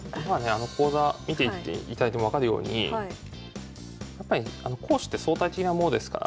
講座見ていただいても分かるようにやっぱり攻守って相対的なものですから。